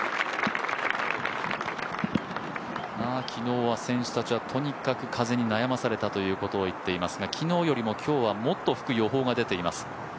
昨日は選手たちはとにかく風に悩まされたということを言っていますが昨日よりも今日はもっと吹く予報が出ています。